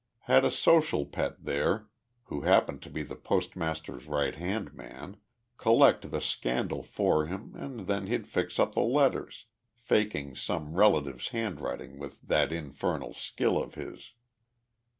Had a social pet there, who happened to be the postmaster's right hand man, collect the scandal for him and then he'd fix up the letters faking some relative's handwriting with that infernal skill of his.